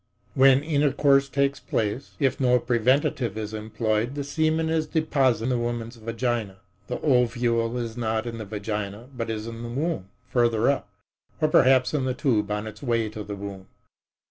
When intercourse takes place, if no preventive is employed, the semen is deposited in the woman's vagina. The ovule is not in the vagina, but is in the womb, farther up, or perhaps in the tube on its way to the womb.